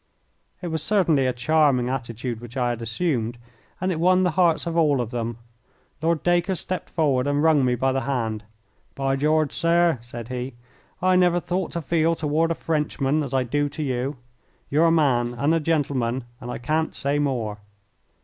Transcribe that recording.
It was certainly a charming attitude which I had assumed, and it won the hearts of all of them. Lord Dacre stepped forward and wrung me by the hand. "By George, sir," said he, "I never thought to feel toward a Frenchman as I do to you. You're a man and a gentleman, and I can't say more."